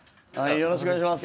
よろしくお願いします